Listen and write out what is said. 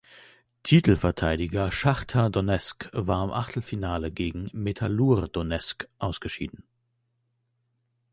Titelverteidiger Schachtar Donezk war im Achtelfinale gegen Metalurh Donezk ausgeschieden.